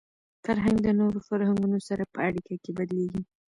فرهنګ د نورو فرهنګونو سره په اړیکه کي بدلېږي.